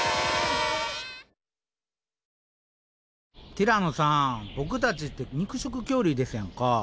ティラノさんボクたちって肉食恐竜ですやんか。